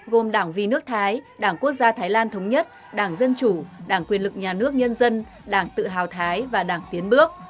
gồm đảng vì nước thái đảng quốc gia thái lan thống nhất đảng dân chủ đảng quyền lực nhà nước nhân dân đảng tự hào thái và đảng tiến bước